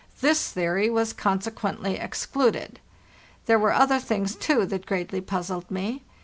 This theory was consequently excluded. There were other things, too, that greatly puzzled me.